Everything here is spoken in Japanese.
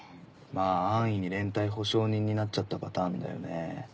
まぁ安易に連帯保証人になっちゃったパターンだよね。